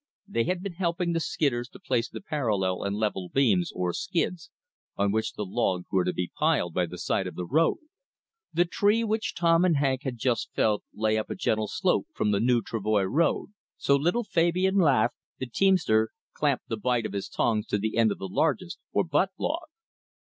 They had been helping the skidders to place the parallel and level beams, or skids, on which the logs were to be piled by the side of the road. The tree which Tom and Hank had just felled lay up a gentle slope from the new travoy road, so little Fabian Laveque, the teamster, clamped the bite of his tongs to the end of the largest, or butt, log.